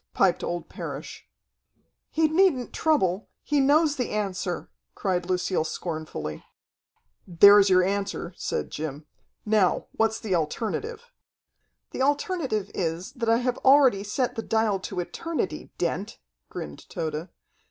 piped old Parrish. "He needn't trouble. He knows the answer!" cried Lucille scornfully. "There's your answer," said Jim. "Now, what's the alternative?" "The alternative is, that I have already set the dial to eternity, Dent," grinned Tode.